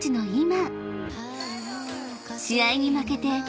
［試合に負けて］